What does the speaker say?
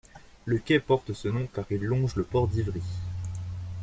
Le quai porte ce nom car il longe le port d'Ivry.